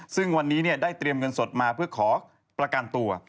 ซึ่งวันนี้ได้เตรียมเงินสดมาเพื่อขอประกันตัว